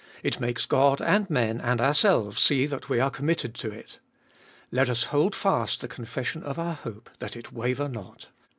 It makes God, and men, and ourselves, see that we are committed to it. Let us hold fast the confession of our hope, that it waver not.